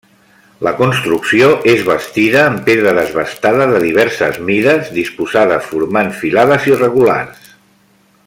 La construcció és bastida amb pedra desbastada de diverses mides, disposada formant filades irregulars.